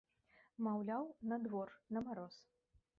Маўляў, на двор, на мароз!